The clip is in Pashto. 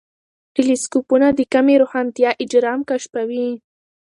ټیلېسکوپونه د کمې روښانتیا اجرام کشفوي.